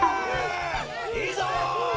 いいぞ！